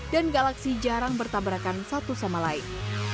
dan galaksi jarang bertabrakan satu sama lain